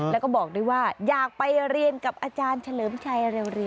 แล้วก็บอกด้วยว่าอยากไปเรียนกับอาจารย์เฉลิมชัยเร็ว